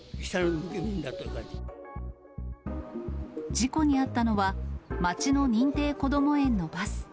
事故に遭ったのは、町の認定こども園のバス。